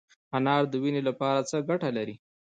انار د وینې لپاره څه ګټه لري؟